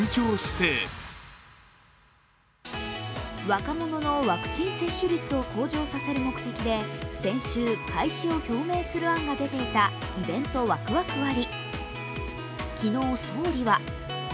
若者のワクチン接種率を向上させる目的で先週、開始を表明する案が出ていたイベントワクワク割。